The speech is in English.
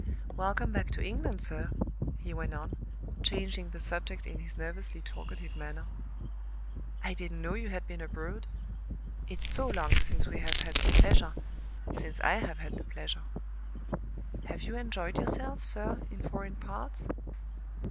"Welcome back to England, sir," he went on, changing the subject in his nervously talkative manner. "I didn't know you had been abroad. It's so long since we have had the pleasure since I have had the pleasure. Have you enjoyed yourself, sir, in foreign parts?